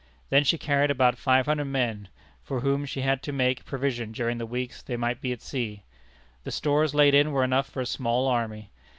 Then she carried about five hundred men, for whom she had to make provision during the weeks they might be at sea. The stores laid in were enough for a small army.